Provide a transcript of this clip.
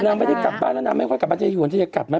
นางไม่ได้กลับบ้านแล้วนางไม่ค่อยกลับบ้านยายหวนจะอยากกลับไหม